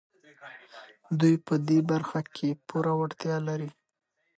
دوی په دې برخه کې پوره وړتيا لري.